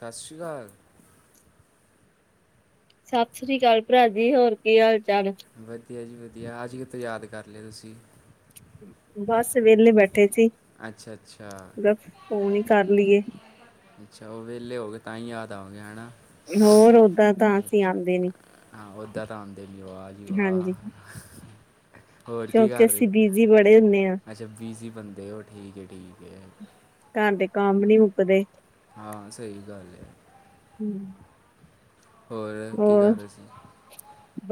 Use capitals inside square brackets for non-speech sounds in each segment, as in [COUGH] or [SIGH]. ਸਤਿ ਸ਼੍ਰੀ ਅਕਾਲ। ਸਤਿ ਸ੍ਰੀ ਅਕਾਲ ਭਰਾ ਜੀ ਹੋਰ ਕੀ ਹਾਲ- ਚਾਲ? ਵਧੀਆ ਜੀ ਵਧੀਆ ਅੱਜ ਕਿਤੋਂ ਯਾਦ ਕਰ ਲਿਓ ਤੁਸੀਂ। ਬਸ ਵਹਲੇ ਬੈਠੇ ਸੀ। ਅੱਛਾ- ਅੱਛਾ। ਫੋਨ ਹੀ ਕਰ ਲਈਏ। ਅੱਛਾ ਉਹ ਵਿਹਲੇ ਹੋ ਗਏ ਤਾਂ ਹੀ ਯਾਦ ਆਉਂਗੇ ਹੈਨਾ। ਹੋਰ ਓਦਾਂ ਤਾਂ ਅਸੀਂ ਆਉਂਦੇ ਨੀ। ਹਾਂ ਉਹਦਾ ਤਾਂ ਆਉਂਦੇ ਨੀ। ਵਾਹ ਜੀ ਵਾਹ। ਹਾਂਜੀ ਹੋਰ ਕੀ ਕਿਉਂਕਿ ਕਰ ਰਹੇ। ਅਸੀਂ ਬਿਜੀ ਬੜੇ ਹੁੰਦੇ ਹਾਂ ਅੱਛਾ ਬੀਜ਼ੀ ਬੰਦੇ ਉਹ ਠੀਕ ਹੈ-ਠੀਕ ਹੈ। ਘਰ ਦੇ ਕੰਮ ਨਹੀਂ ਮੁੱਕਦੇ। ਹਾਂ ਸਹੀ ਗੱਲ ਹੈ। ਹੂੰ। ਕੀ ਹੋਰ, ਕਰ ਰਹੇ ਸੀ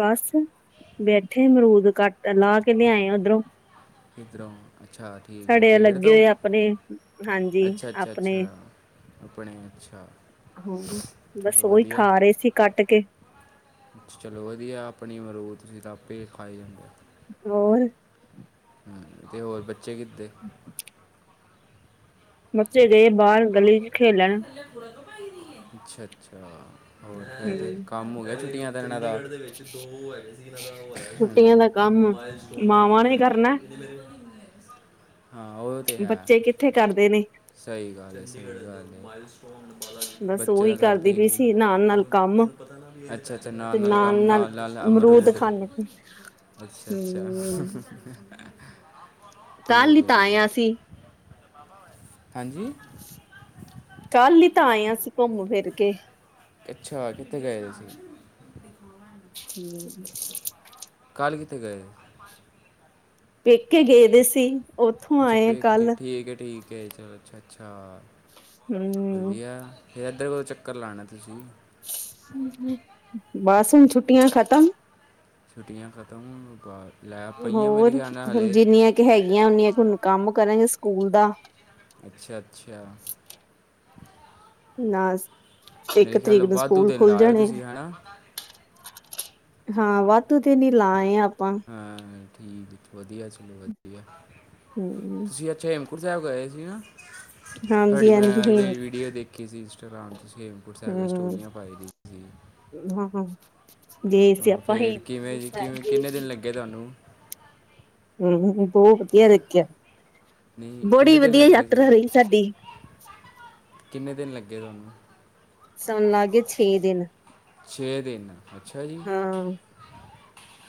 ਬਸ ਬੈਠੇ ਮਰੂਦ ਕਟ ਤੇ ਲਾਹ ਕੇ ਲਿਆਏ ਉੱਧਰੋਂ। ਕਿਦਰੋਂ ਅਛਾ। ਠੀਕ ਹੈ ਸਾਡੇ ਪੇੜ ਲੱਗੇ ਤੋਂ? ਹੋਏ ਆਪਣੇ ਹਾਂਜੀ ਅੱਛਾ, ਆਪਣੇ ਅੱਛਾ-ਅੱਛਾ। ਆਪਣੇ ਅੱਛਾ। ਹੂੰ ਬਸ ਚਲੋ ਉਹੀ ਵਧੀਆ। ਖਾ ਰਹੇ ਸੀ ਕੱਟ ਕੇ ਅੱਛਾ, ਚਲੋ ਵਧੀਆ ਆਪਣੀ ਮਰੂਦ ਤੁਸੀਂ ਆਪੇ ਹੀ ਖਾਈ ਜਾਂਦੇ। ਹੋਰ? ਤੇ ਹੋਰ ਬੱਚੇ ਕਿੱਥੇ? ਬੱਚੇ ਗਏ ਬਾਹਰ ਗਲੀ ਚ ਖੇਲਣ। ਲੇਟ ਕੁੜ ਕਮ [UNINTELLIGIBLE] [UNINTELLIGIBLE] ਅੱਛਾ-ਅੱਛਾ। ਹੋਰ ਹੂੰ ਕੰਮ ਹੋ ਗਿਆ ਛੁੱਟੀਆਂ ਦਾ ਇਨਾਦਾ ਛੁੱਟੀਆਂ ਦਾ [UNINTELLIGIBLE] ਕੰਮ ਮੈ ਇਸ ਟਾਈਮ ਮਾਵਾਂ ਚੰਡੀਗੜ੍ਹ ਨੇ ਕਰਨਾ [UNINTELLIGIBLE] ਹਾਂ ਹੋਰ ਬੱਚੇ ਕਿੱਥੇ ਕਰਦੇ ਨੇ। ਸਹੀ ਗੱਲ ਹੈ, ਸਹੀ ਗਲ ਹੈ। ਬਸ ਬੱਚੇ ਉਹੀ ਤਾਂ ਕਰਦੇ ਕਰਦੀ ਹੀ ਪਈ ਨੀ। ਸੀ ਨਾਲ ਨਾਲ ਕੰਮ ਅੱਛਾ-ਅੱਛਾ ਨਾਲ-ਨਾਲ ਕੰਮ ਨਾਲ ਲਾਲ ਅਮਰੂਦ ਅੱਛਾ-ਅੱਛਾ। ਹਮ ਕੱਲ ਹੀ ਤਾਂ ਆਏ ਆਂ ਅਸੀਂ। ਬਾਬਾ [UNINTELLIGIBLE] ਕੱਲ ਹੀ ਤਾਂ ਆਏ ਹ ਅਸੀਂ ਘੁੰਮ- ਫਿਰ ਕੇ। ਅੱਛਾ, ਕਿੱਥੇ ਗਏ ਹੋਏ ਸੀ? ਹਮ [UNINTELLIGIBLE] ਕੱਲ ਕਿਥ ਗਏ? ਪੇਕੇ ਗਏ ਦੇ ਸੀ। ਉੱਥੋਂ ਅੱਛਾ ਆਏ ਆ ਪੇਕੇ ਕੱਲ ਠੀਕ ਹੈ ਠੀਕ। ਚਲੋ ਅੱਛਾ- ਅੱਛਾ ਹਮ ਵਧੀਆ ਫੇਰ ਇੱਧਰ ਕਦੋਂ ਚੱਕਰ ਲਾਉਣਾ ਤੁਸੀਂ। ਬਸ ਹੁਣ ਛੁੱਟੀਆਂ ਖਤਮ। ਛੁੱਟੀਆਂ ਖਤਮ ਹੋਣ ਬਾਅਦ। ਹੋਰ ਜਿੰਨੀਆਂ ਕੁ ਹੈਗੀਆਂ ਉਨੀਆਂ ਕੁ ਹੁਣ ਕੰਮ ਕਰਾਂਗੇ ਸਕੂਲ ਦਾ। ਅੱਛਾ-ਅੱਛਾ। ਨਾ ਇੱਕ ਮੇਰੇ ਖਿਆਲ ਤਰੀਕ ਨਾਲ ਨੂੰ ਵਾਧੂ ਸਕੂਲ ਦਿਨ ਲਾ ਖੁੱਲ ਆਇਓ ਜਾਣੇ ਤੁਸੀਂ ਹੈਂਨਾ। ਹਾਂ ਵਾਧੂ ਦਿਨ ਹੀ ਲਾ ਆਂਏਆਂ ਆਪਾਂ। ਹਾਂ ਠੀਕ। ਵਧੀਆ ਚਲੋ ਵਧੀਆ। ਹੂੰ। ਜੀ ਅੱਛਾ ਹੇਮਕੂੰਟ ਸਾਹਿਬ ਗਏ ਸੀ ਨਾ। ਹਾਂਜੀ ਤੁਹਾਡੀ ਮੈਂ ਹਾਂਜੀ ਇਹਦੇ ਵੀਡੀਓ ਦੇਖੀ ਸੀ ਇੰਸਟਾਗ੍ਰਾਮ ਤੇ, ਤੁਸੀ ਹੇਮਕੁੰਟ ਸਾਹਿਬ ਦੀ ਸਟੋਰੀਆਂ ਪਾਾਈ ਦੀ। ਸੀ ਹਾਂ-ਹਾਂ ਗਏ ਸੀ ਆਪਾਂ ਹੇਮਕੁੰਟ ਸਾਹਿਬ ਗਏ ਸੀ। ਕੇ ਤੁਹਾਨੂੰ ਹੂ ਬਹੁਤ ਵਧੀਆ ਰੱਖਿਆ ਨਹੀਂ ਬੜੀ ਕਿੰਨੇ ਦਿਨ ਵਧੀਆ ਲੱਗੇ ਸੀ ਯਾਤਰਾ ਰਹੀ ਸਾਡੀ ਕਿੰਨੇ ਦਿਨ ਲੱਗੇ ਤੁਹਾਨੂੰ? ਸਾਨੂੰ ਲੱਗ ਕੇ ਛੇ ਦਿਨ ਛੇ ਦਿਨ ਅੱਛਾ ਜੀ ਹਾਂ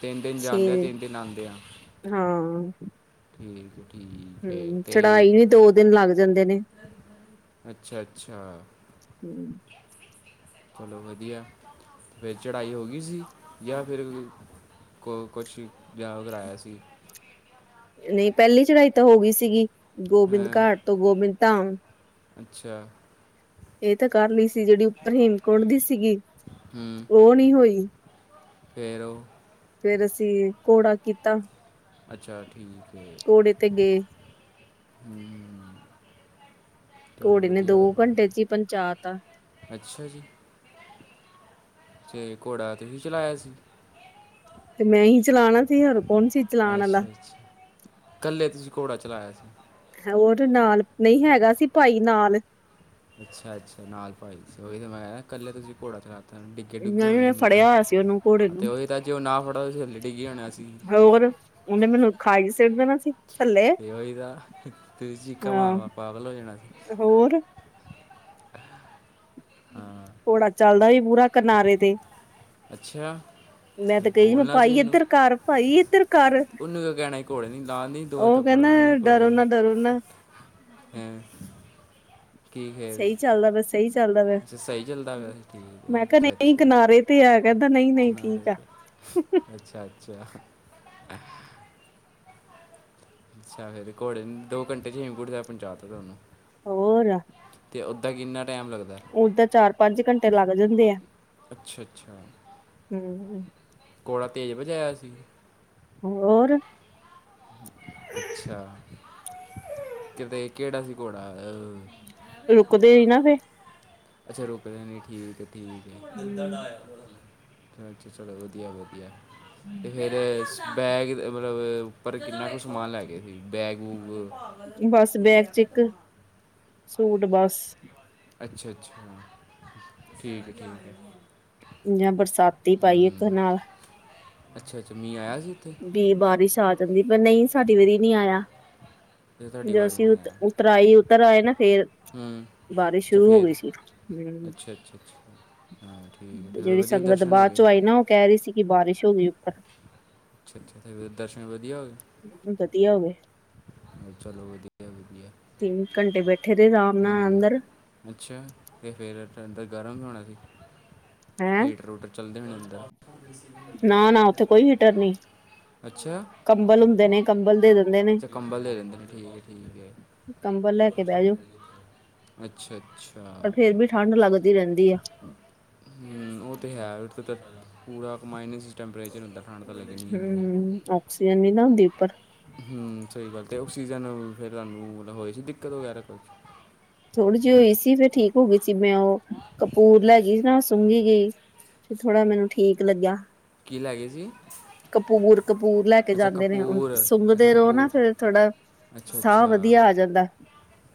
ਤਿੰਨ ਦਿਨ ਜਾਂਦੇ ਆ, ਤਿੰਨ ਦਿਨ ਆਉਂਦੇ ਆ ਹਾਂ ਠੀਕ ਹੈ। ਠੀਕ ਹੈ ਹੂ ਤੇ ਚੜਾਈ ਵੀ ਦੋ ਦਿਨ ਲੱਗ ਜਾਂਦੇ ਨੇ। ਅੱਛਾ, -ਅੱਛਾ। ਹੂ [UNINTELLIGIBLE] ਚਲੋ ਵਧੀਆ। ਫਿਰ ਚੜਾਈ ਹੋ ਗਈ ਸੀ ਜਾਂ ਫਿਰ ਹੋਰ ਕੁਛ ਯਾਦ ਕਰਵਾਇਆ ਸੀ। ਨਹੀਂ ਪਹਿਲੀ ਚੜ੍ਹਾਈ ਤਾਂ ਹੋ ਗਈ ਸੀਗੀ ਗੋਬਿੰਦ ਹਾਂ ਘਾਟ ਤੋਂ ਗੋਬਿੰਦ ਧਾਮ ਅੱਛਾ। ਇਹ ਤਾਂ ਕਰ ਲਈ ਸੀ ਜਿਹੜੀ ਉੱਪਰ ਹੇਮਕੋਟ ਦੀ ਸੀਗੀ ਹੂੰ ਉਹ ਨਹੀਂ ਹੋਈ। ਫਿਰ ਉਹ ਫਿਰ ਅਸੀਂ ਘੋੜਾ ਕੀਤਾ। ਅੱਛਾ ਠੀਕ ਹੈ। ਘੋੜੇ ਤੇ ਗਏ ਹੂ ਘੋੜੇ ਨੇ ਦੋ ਘੰਟੇ ਚ ਹੀ ਪੰਚਾਇਤ ਤਾ। ਅੱਛਾ ਜੀ ਤੇ ਘੋੜਾ ਤੁਸੀਂ ਹੀ ਚਲਾਇਆ ਸੀ। ਤੇ ਮੈਂ ਹੀ ਚਲਾਉਣਾ ਸੀ ਹੋਰ ਕੌਣ ਸੀ। ਚਲਾਣ ਆਲਾ ਅੱਛਾ, ਅੱਛਾ ਇਕੱਲੇ ਤੁਸੀਂ ਘੋੜਾ ਚਲਾਇਆ ਸੀ। ਉਹ ਨਾਲ ਨਹੀਂ ਹੈਗਾ ਸੀ ਭਾਈ ਨਾਲ। ਅੱਛਾ, ਅੱਛਾ ਨਾਲ ਭਾਈ ਸੀ ਉਹੀ ਹੋਇਆ ਇਕੱਲੇ ਤੁਸੀਂ ਘੋੜਾ ਚਲਾ ਡਿੱਗੇ ਡੁਗੇ ਹੋਣੇ ਉਹਨੇ ਨਹੀਂ ਤਾਂ ਫੜਿਆ ਹੋਇਆ ਸੀ ਉਹਨੂੰ ਘੋੜੇ ਨੂੰ ਅਤੇ ਉਹੀ ਤਾਂ ਜੇ ਉਹ ਨਾ ਫੜਾ ਥਲੇ ਡਿੱਗੇ ਹੋਣੇ ਸੀ। ਹੋਰ ਉਹਨੇ ਮੈਨੂੰ ਖਾਈ ਸਿੱਟ ਦੇਣਾ ਸੀ। ਥੱਲੇ ਕੇ ਵਾਈ ਦਾ ਤੁਸੀਂ ਚਿੱਕਾ ਮਾਰ ਹਾਂ ਮਾਰ ਪਾਗਲ ਹੋ ਜਾਣਾ ਸੀ। ਹੋਰ ਹਾਂ ਘੋੜਾ ਚੱਲਦਾ ਪੂਰਾ ਕਿਨਾਰੇ ਤੇ। ਅੱਛਾ। ਮੈਂ ਤੇ ਕਹੀ ਮੈਂ ਬੋਲਣਾ ਸੀ ਭਾਈ ਉਹਨੂੰ ਇੱਧਰ ਕਰ ਭਾਈ ਇੱਧਰ ਕਰ ਉਹਨੂੰ ਕੀ ਕਹਿਣਾ ਸੀ ਘੋੜੇ ਨੇ ਲਾ ਦੀ ਦੋ ਉਹ ਥੱਪੜ ਕਹਿੰਦਾ ਲਾਣੀ ਘੋੜੇ ਡਰੋ ਨਾ ਡਰੋ ਨਾ ਕੀ ਖੈਰ ਸਹੀ ਚੱਲਦਾ ਪਿਆ ਸਹੀ ਚੱਲਦਾ ਪਿਆ ਅੱਛਾ ਸਹੀ ਚੱਲਦਾ ਪਿਆ ਸੀ ਠੀਕ ਮੈਂ ਕਿਹਾ ਹੈ ਅੱਛਾ ਨਹੀਂ ਅੱਛਾ ਕਿਨਾਰੇ ਤੇ ਹੈਗਾ ਨਹੀਂ ਨਹੀਂ ਕਿਨਾਰੇ ਠੀਕ ਆ ਤੇ ਅੱਛਾ -ਅੱਛਾ। ਅੱਛਾ ਫਿਰ ਘੋੜੇ ਦੋ ਘੰਟੇ ਹੇਮਕੁਟ ਸਾਹਿਬ ਪੰਚਾਇਤ ਤਾਂ ਤੁਹਾਨੂੰ ਹੋਰ ਤੇ ਉਦਾਂ ਕਿੰਨਾ ਟਾਈਮ ਲੱਗਦਾ ਉਦਾਂ ਚਾਰ ਪੰਜ ਘੰਟੇ ਲੱਗ ਜਾਂਦੇ ਆ ਅੱਛਾ- ਅੱਛਾ। [UNINTELLIGIBLE] ਘੋੜਾ ਤੇਜ਼ ਭਜਾਇਆ ਸੀ। ਹੋਰ ਅੱਛਾ ਕਿੱਦਾਂ ਕਿਹੜਾ ਸੀ ਘੋੜਾ ਅ ਰੁਕਦੇ ਹੀ ਨਹੀਂ ਫਿਰ ਅੱਛਾ ਰੁਕਦੇ ਨੀ ਠੀਕ ਹੈ, ਠੀਕ ਹੈ। ਹਮ ਅੱਛਾ ਚਲੋ ਵਧੀਆ, ਵਧੀਆ ਤੇ ਬੈਗ ਉੱਪਰ ਕਿੰਨਾ ਕੁ ਸਮਾਨ ਲੈ ਕੇ ਸੀ ਬੈਗ ਵੂਗ ਬਸ ਬੈਗ ਚ ਇੱਕ ਸੂਟ ਬਸ। ਅੱਛਾ ਅੱਛਾ ਠੀਕ ਹੈ ਠੀਕ ਹੈ। ਜਾਂ ਬਰਸਾਤੀ ਪਾਈ ਇੱਕ ਹੂੰ ਨਾਲ ਅੱਛਾ ਅੱਛਾ ਮੀਹ ਆਇਆ ਸੀ ਉੱਥੇ ਵੀ ਬਾਰਿਸ਼ ਆ ਜਾਂਦੀ ਪਰ ਨਹੀਂ ਸਾਡੀ ਵਾਰੀ ਨਹੀ ਆਇਆ ਤੇ ਤੁਹਾਡੀ ਜ ਵਾਰੀ ਅਸੀਂ ਨਹੀਂ ਆਇਆ ਉਤਰਾਈ ਉਤਰ ਆਏ ਨਾ ਫੇਰ ਹੂੰ ਬਾਰਿਸ਼ ਅੱਛਾ ਸ਼ੁਰੂ ਹੋ ਫਿਰ ਗਈ ਸੀ ਹ। ਅੱਛਾ ਅਛਾ। ਤੇ ਜਿਹੜੀ ਸੰਗਤ ਹੋ ਬਾਅਦ ਗਏ ਚੋਂ ਆਈ ਨਾ ਉਹ ਕਹਿ ਰਹੀ ਸੀ ਕਿ ਬਾਰਿਸ਼ ਹੋ ਗਈ ਉੱਪਰ ਅੱਛਾ ਅੱਛਾ ਦਰਸ਼ਨ ਵਧੀਆ ਹੋਏ। ਵਧੀਆ ਹੋ ਗਵੇ ਚਲੋ ਵਧੀਆ ਵਧੀਆ ਤਿੰਨ ਘੰਟੇ ਬੈਠੇ ਰਹੇ ਰਾਮ ਨਾਲ ਹੂੰ ਅੰਦਰ ਅੱਛਾ ਅਤੇ ਫਿਰ ਅੰਦਰ ਗਰਮ ਵੀ ਹੋਣਾ ਸੀ ਹੈਂ ਹੀਟਰ ਹੂਟਰ ਚੱਲਦੇ ਵੀ ਨਹੀਂ ਅੰਦਰ ਨਾ ਨਾ ਉੱਥੇ ਕੋਈ ਹੀਟਰ ਨੀ ਕੰਬਲ ਹੁੰਦੇ ਨੇ ਕੰਬਲ ਦੇ ਦਿੰਦੇ ਨੇ ਕੰਭਲ ਦੇ ਦਿੰਦੇ ਨੇ ਠੀਕ ਹੈ ਠੀਕ ਹੈ ਕੰਬਲ ਲੈ ਕੇ ਬਹਿ ਜਾਓ ਅੱਛਾ ਅੱਛਾ। ਪਰ ਫੇਰ ਵੀ ਠੰਢ ਲੱਗਦੀ ਰਹਿੰਦੀ ਆ। ਹੁ ਉਹ ਤੇ ਹੈ ਤਾਂ ਪੂਰਾ ਮਾਈਨਸ ਟੈਂਪਰੇਚਰ ਹੁੰਦਾ ਠੰਡ ਦਾ। ਹੁ ਹੁ ਆਕਸੀਜਨ ਨੀ ਨਾ ਹੁੰਦੀ ਉਪਰ। ਹੁ ਸਹੀ ਗੱਲ ਤੇ ਆਕਸੀਜਨ ਫਿਰ ਤੁਹਾਨੂੰ ਮਤਲਬ ਹੋਏ ਸੀ ਦਿੱਕਤ ਵਗੈਰਾ ਥੋੜੀ ਜਿਹੀ ਹੋਈ ਸੀ ਫਿਰ ਠੀਕ ਹੋ ਗਈ ਸੀ ਮੈਂ ਉਹ ਕਪੂਰ ਲੈ ਗਈ ਸੀ ਨਾ ਸੁੰਘੀ ਗਈ ਫ ਥੋੜ੍ਹਾ ਮੈਨੂੰ ਠੀਕ ਲੱਗਿਆ। ਕੀ ਲੈ ਗਏ ਸੀ? ਕਪੂਰ ਕਪੂਰ ਲੈ ਕੇ ਅੱਛਾ ਜਾਂਦੇ ਨੇ ਹੁਣ ਕਪੂਰ ਅੱਛਾ ਸੁੰਘਦੇ ਰਹੋ ਨਾ ਕਪੂਰ ਫੇਿਰ ਥੋੜਾ। ਅੱਛਾ ਸਾਹ ਅੱਛਾ ਵਧੀਆ ਆ ਜਾਂਦਾ।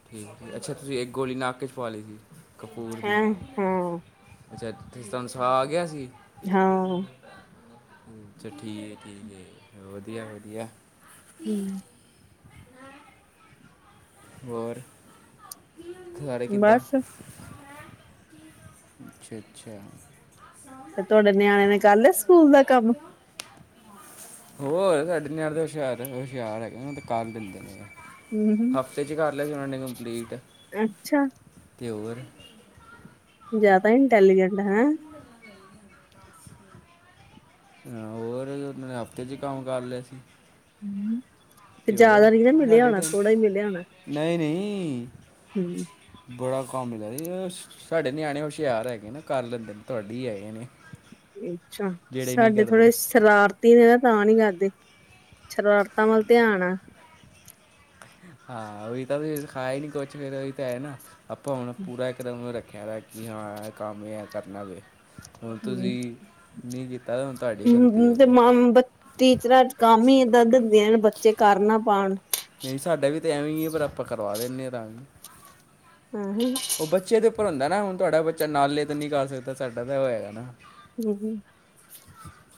ਠੀਕ ਅੱਛਾ ਤੁਸੀਂ ਇੱਕ ਗੋਲੀ ਨਾਕ ਚ ਪਵਾ ਲਈ ਸੀ ਕਪੂਰ ਦੀ ਹੈਂ ਹਾਂ ਅੱਛਾਥੇ ਤੁਹਾਨੂੰ ਸਾ ਆਗਿਆ ਸੀ ਹਾਂ ਅੱਛਾ ਠੀਕ ਹੈ ਠੀਕ ਹੈ ਵਧੀਆ ਵਧੀਆ। [UNINTELLIGIBLE] ਹੁ। ਹੋਰ ਸਾਰੇ ਕਿੱਦਾਂ ਬਸ ਅੱਛਾ ਅੱਛਾ। ਤੇ ਤੁਹਾਡੇ ਨਿਆਣੇ ਨੇ ਕਰ ਲਿਆ ਸਕੂਲ ਦਾ ਕੰਮ? ਹੋਰ ਸਾਡੇ ਨਾਲ ਤਾਂ ਹੁਸ਼ਿਆਰ ਹੁਸ਼ਿਆਰ ਹੈਗੇ ਉਹ ਤਾਂ ਕੱਲ੍ਹ ਦਿੰਦੇ ਨੇ। ਹਮ ਹਫ਼ਤੇ ਚ ਕਰ ਲਿਆ ਸੀ ਉਹਨਾਂ ਨੇ ਕੰਪਲੀਟ ਅੱਛਾ ਤੇ ਹੋਰ। ਜ਼ਿਆਦਾ ਇੰਟੈਲੀਜੈਂਟ ਹੈ। ਹੋਰ ਉਹ ਨੇ ਹਫ਼ਤੇ ਚ ਕੰਮ ਕਰ ਲਿਆ ਸੀ। ਹਮ। ਤੇ ਹੋਰ ਹਜੇ ਹੀ ਮਿਲਿਆ ਹੋਣਾ ਨਹੀਂ ਨਹੀਂ ਹਮ ਬੜਾ ਕਾਮ ਮਿਲਾਇਆ। ਸਾਡੇ ਨਿਆਣੇ ਹੁਸ਼ਿਆਰ ਹੈਗੇ ਨਾ ਕਰ ਲੈਂਦੇ ਨੇ ਤੁਹਾਡੀ ਹੀ ਹੈਗੇ ਨੇ। ਅੱਛਾ ਜਿਹੜੇ ਨਹੀਂ ਸਾਡੇ ਕਰਦੇ ਥੋੜੇ ਸ਼ਰਾਰਤੀ ਨੇ ਨਾ ਤਾਂ ਨੀ ਕਰਦੇ ਸ਼ਰਾਰਤਾਂ ਵੱਲ ਧਿਆਨ ਆ ਹਾਂ ਉਹੀ ਤਾਂ ਸਖਾਆ ਹੀ ਨੀ ਕੁਛ ਫੇਰ ਉਹੀ ਤਾਂ ਹੈ ਨਾ। ਆਪਾਂ ਹੁਨ ਪੂਰਾ ਇਕਦਮਨ ਰੱਖਿਆ ਵੇ ਕਿ ਹਾਂ ਇਹ ਕੰਮ ਇਹ ਹੈ ਕਰਨਾ ਵੇ। ਹੁਣ ਹਮ ਤੁਸੀਂ ਨੀ ਕੀਤਾ ਹੁਣ ਤੁਹਾਡੀ ਗਲੱਤੀ ਹੂੰ ਤੇ ਉੱਤੇ। ਮਾਂ ਬ ਟੀਚਰਾਂ ਕੰਮ ਹੀ ਏਦਾਂ ਦਿੰਦੀਆਂ ਬੱਚੇ ਕਰ ਨਾ ਪਾਉਣ ਨਹੀਂ ਸਾਡਾ ਵੀ ਤਾਂ ਐਵੇਂ ਹੀ ਹੈ ਪਰ ਆਪਾਂ ਕਰਵਾ ਦਿੰਦੇ ਹਾਂ ਤਾਵੀ। [UNINTELLIGIBLE] ਹੁ ਹੁ। ਉਹ ਬੱਚੇ ਦੇ ਉੱਪਰ ਹੁੰਦਾ ਨਾ ਹੁਣ ਤੁਹਾਡਾ ਬੱਚਾ ਨਾਲੇ ਤਾਂ ਨੀ ਕਰ ਸਕਦਾ ਸਾਡਾ ਤਾਂ ਉਹ ਹੈਗਾ ਨਾ। ਹਮ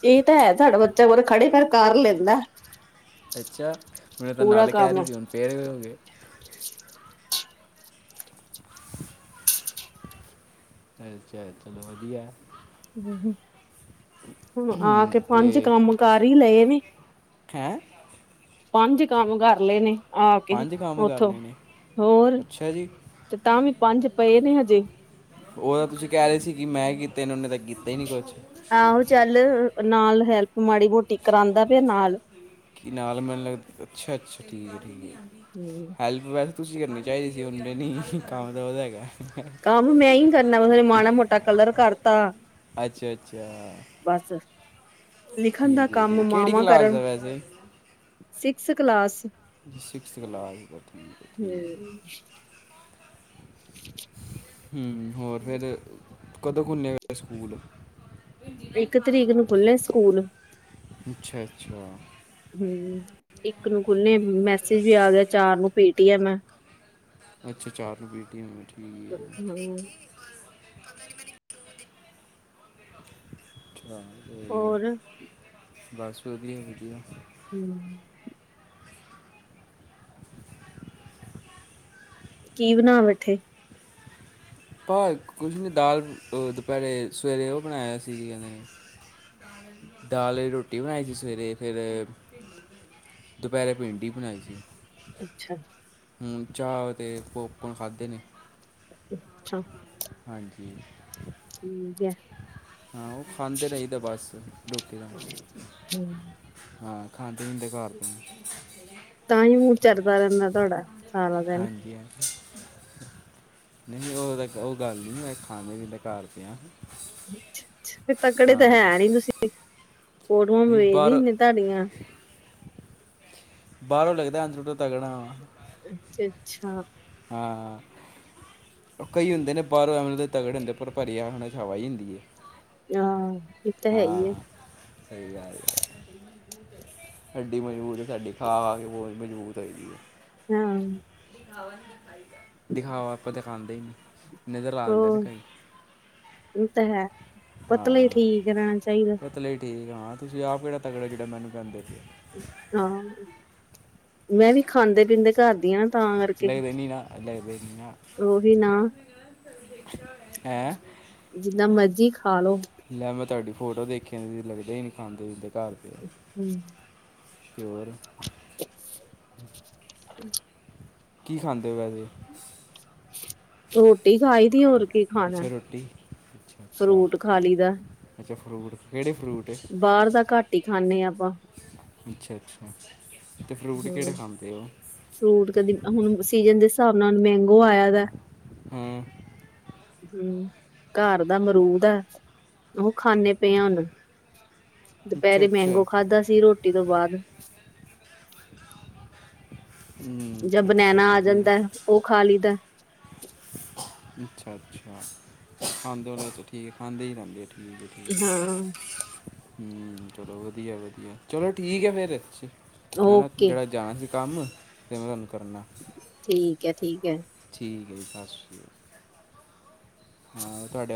ਇਹ ਤਾਂ ਹੈ ਸਾਡਾ ਬੱਚਾ ਬਰੇ ਖੜੇ ਫੇਰ ਕਰ ਲੈਂਦਾ। ਅੱਛਾ ਮੈਨੂੰ ਤਾਂ ਪੂਰਾ ਨਾਲ ਕਹਿ ਕੰਮ ਰਹੀ ਸੀ ਹੁਣ ਫੇਰਏ ਵੀ ਹੋ ਗਏ। ਅੱਛਾ ਅੱਛਾ ਚਲੋ ਵਧੀਆ। [UNINTELLIGIBLE] ਹਮ ਹੁਣ ਆ ਕੇ ਪੰਜ ਤੇ ਕੰਮ ਕਾਰ ਹੀ ਲਏ ਨੇ ਹੈਂ ਪੰਜ ਕੰਮ ਕਰ ਲਏ ਨੇ। ਆ ਕੇ ਪੰਜ ਕੰਮ ਕਰ ਉੱਥੋਂ ਲੈਣੇ ਹੋਰ ਅੱਛਾ ਜੀ ਤੇ ਤਾਂ ਵੀ ਪੰਜ ਪਏ ਨੇ ਹਜੇ। ਉਹ ਤਾਂ ਤੁਸੀਂ ਕਹਿ ਰਹੇ ਸੀ ਕਿ ਮੈਂ ਕੀਤੇ ਨੇ ਉਹਨੇ ਤਾਂ ਕੀਤੇ ਨੀ ਕੁਛ। ਆਹੋ ਚੱਲ ਨਾਲ ਹੈਲਪ ਮਾੜੀ ਮੋਟੀ ਕਰਾਉਂਦਾ ਪਿਆ ਨਾਲ। ਕੀ ਨਾਲ ਮੈਨ ਲੱਗਦਾ ਅੱਛਾ ਅੱਛਾ ਠੀਕ ਹੈ ਠੀਕ ਹੈ। ਹਮ। ਹੈਲਪ ਵੈਸੇ ਤੁਸੀਂ ਕਰਨੀ ਚਾਹੀਦੀ ਸੀ ਹੁ ਦੇ ਨਹੀਂ ਕੰਮ ਤਾਂ ਉਹਦਾ ਹੈ। ਕੰਮ ਮੈਂ ਹੀ ਕਰਨਾ ਮਾੜਾ ਮੋਟਾ ਕਲਰ ਕਰਤਾ। ਅੱਛਾ ਅੱਛਾ ਬਸ ਲਿਖਣ ਦਾ ਠੀਕ ਹੈ ਕੰਮ ਠੀਕ ਕਿਹੜੀ ਮਾਵਾਂ ਕਲਾਸ ਕਰਨ ਦਾ ਵੈਸੇ ਸਿਕਸ ਕਲਾਸ। ਸਿਕਸਥ ਕਲਾਸ ਪ੍ਰਥ ਠੀਕ ਹੈ ਠੀਕ ਹੈ। ਹੂੰ ਹਮ ਹੋਰ ਫੇਰ। ਕਦੋਂ ਖੁਲ੍ਹਣੇ ਸਕੂਲ। ਇੱਕ ਤਰੀਕ ਨੂੰ ਖੁਲ੍ਹਣੇ ਸਕੂਲ। ਅੱਛਾ ਅੱਛਾ। ਹਮ ਇੱਕ ਨੂੰ ਖੁਲ੍ਹਣੇ ਮੈਸੇਜ ਵੀ ਆ ਗਿਆ ਚਾਰ ਨੂੰ ਪੀਟੀਐਮ ਹੈ। ਅੱਛਾ ਚਾਰ ਨੂ ਪੀਟੀਐਮ ਹੈ। ਹੂੰ ਅੱਛਾ ਤੇ ਹੋਰ ਬਸ ਵਧੀਆ ਵਧੀਆ। ਹਮ। ਕੀ ਬਣਾ ਬੈਠੇ। ਭਾ ਕੁਝ ਨੀ ਦਾਲ ਦੁਪਹਿਰੇ ਸਵੇਰੇ ਉਹ ਬਣਾਇਆ ਸੀ ਇਹਨੇ। ਦਾਲ ਆਲੀ ਰੋਟੀ ਬਣਾਈ ਸੀ ਸਵੇਰੇ। ਫੇਰ ਦੁਪਹਿਰੇ ਪਿੰਡੀ ਬਣਾਈ ਸੀ। ਅੱਛਾ। ਹੁ ਚਾਹ ਤੇ ਪੌਪਕੌਣ ਖਾਧੇ ਨੇ। ਅੱਛਾ। ਹਾਂਜੀ। ਠੀਕ ਹੈ। ਹਾਂ ਉਹ ਖਾਂਦੇ ਰਹੀ ਦਾ ਬਸ ਰੋਟੀ ਨਾਲ। ਹਮ। ਹਾਂ ਖਾਂਦੇ ਪੀਂਦੇ ਘਰ ਤੋਂ। ਤਾਂ ਹੀ ਹ ਚਰਦਾ ਰਹਿੰਦਾ ਤੁਹਾਡਾ ਸਾਰਾ ਦਿਨ। ਨਹੀ ਉਹ ਤਾਂ ਉਹ ਗੱਲ ਨੀ ਖਾਂਦੇ ਪੀਂਦੇ ਘਰ ਦੇਆ। ਤਕੜੇ ਤਾਂ ਹੈ ਨੀ ਤੁਸੀ ਫੋਟੋਆਂ ਨਹੀਂ ਬਾਹਰ ਦੇਖਦੀਆਂ ਤੁਹਾਡੀਆਂ। ਬਾਹਰੋਂ ਲੱਗਦਾ ਅੰਦਰੋ ਤਗੜਾ ਵਾ। ਅਛਾ ਅੱਛਾ। ਹਾਂ ਹਾਂ। ਉਹ ਕਈ ਹੁੰਦੇ ਨੇ ਬਾਹਰੋਂ ਐਮ ਦੇ ਤਗੜ ਹੁੰਦੇ ਪਰ ਭਰੀ ਆ ਉਹਨਾਂ ਚ ਹਵਾ ਹੀ ਹੁੰਦੀ ਏ। ਹਾਂ। ਇਹ ਤਾਂ ਹੈ ਹਾਂ ਹੀ ਐ ਸਹੀ ਗੱਲ ਹੈ। ਹੱਡੀ ਮਜ਼ਬੂਤ ਸਾਡੀ ਖਾ ਖਾਕੇ ਬਹੁਤ ਮਜ਼ਬੂਤ ਹੋਈ ਪਈ ਹੈ। ਫਿਰ ਹੁਣ। ਦਿਖਾਓ ਆਪਾਂ ਦਿਖਾਂਦੇ ਹੀ ਨੀ। ਹੋਰ ਇਹ ਤਾਂ ਹੈ ਪਤਲਾ ਹੀ ਹਾਂ ਠੀਕ ਰਹਿਣਾ ਚਾਹੀਦਾ। ਪਤਲੇ ਠੀਕ ਹਾਂ ਤੁਸੀਂ ਆਪ ਕਿਹੜਾ ਤਗੜਾ ਜਿਹੜਾ ਮੈਨੂੰ ਕਹਿੰਦੇ ਸੀ। ਹਾਂ ਮੈਂ ਵੀ ਖਾਂਦੇ ਪੀਂਦੇ ਘਰ ਦੀ ਹਾਂ। ਲਦੇ ਨਹੀਂ ਨਾ ਲਬ ਨਹੀਂ ਨਾ। ਉਹੀ ਨਾ। ਹੈਂ। ਜਿੰਦਾਂ ਮਰਜ਼ੀ ਖਾ ਲੋੋ। ਲੈ ਮੈਂ ਤੁਹਾਡੀ ਫੋਟੋ ਦੇਖਿਆ ਲੱਗਦਾ ਹੀ ਨਹੀਂ ਖਾਂਦੇ ਪੀਦੇ ਘਰ ਤੇ ਹਮ। ਤੇ ਹੋਰ ਕੀ ਖਾਂਦੇ ਹੋ ਵੈਸੇ ਰੋਟੀ ਖਾਈ ਦੀ ਹੋਰ ਕੀ ਖਾਣਾ ਅੱਛਾ ਰੋਟੀ ਫਰੂਟ ਖਾ ਲਈ ਦਾ ਅਛਾ ਫਰੂਟ ਕਿਹੜੇ ਫਰੂਟ ਬਾਹਰ ਦਾ ਘੱਟ ਹੀ ਖਾਂਦੇ ਹਾਂ ਆਪਾਂ ਅਛਾ- ਅਛਾ ਅਤੇ ਫਰੂਟ ਕਿਹੜੇ ਹਮ ਖਾਂਦੇ ਉਹ ਫਰੂਟ ਕਦੀ ਹੁਣ ਸੀਜਨ ਦੇ ਹਿਸਾਬ ਨਾਲ ਮੈਗੋ ਆਇਆ ਵ ਹਾਂ ਹਮ ਘਰ ਦਾ ਮਰੂਦ ਹੈ। ਉਹ ਖਾਂਨੇ ਪਏ ਆ ਹੁਣ ਅੱਛਾ ਦੁਪਹਿਰੇ ਅੱਛਾ ਮੈਗੋ ਖਾਧਾ ਸੀ ਰੋਟੀ ਤੋਂ ਬਾਅਦ ਹਮ, ਜਾਂ ਅੱਛਾ ਅੱਛਾ ਬਨੈਨਾ ਆ ਵਧੀਆ ਜਾਂਦਾ ਉਹ ਖਾ ਲੀਦਾ ਅਛਾ- ਅਛਾ ਖਾਂਦੇ ਉਹਨਾਂ ' ਠੀਕ ਹੈ। ਖਾਂਦੇ ਹੀ ਰਹਿੰਦੇ ਠੈਂਕ ਯੂ ਠੈਂਕ ਯੂ ਹਾਂ [UNINTELLIGIBLE] ਹਮ ਚਲੋ ਵਧੀਆ- ਵਧੀਆ ਚਲੋ ਠੀਕ ਹੈ। ਫਿਰ ਮੈ ਨਾ ਓਕੇ ਜਿਹੜਾ ਜਾਣਾ ਸੀ ਕੰਮ ਅਤੇ ਮੈਂ ਤੁਹਾਨੂੰ ਕਰਨਾ ਠੀਕ ਹੈ ਠੀਕ ਹੈ। ਠੀਕ ਹੈ। ਜੀ ਸਤਿ ਸ਼੍ਰੀ ਅਕਾਲ ਹਾਂ ਤੁਹਾਡੇ ਵ